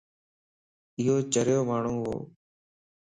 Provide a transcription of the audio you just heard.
ايو چريو ماڻھون وَ